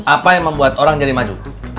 apa yang membuat orang jadi maju